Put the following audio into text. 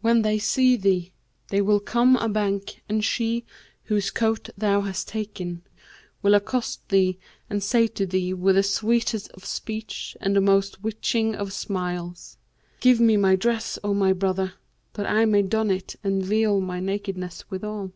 When they see thee, they will come a bank and she, whose coat thou hast taken, will accost thee and say to thee with the sweetest of speech and the most witching of smiles, 'Give me my dress, O my brother, that I may don it and veil my nakedness withal.'